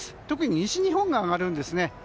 特に西日本が上がるんですね。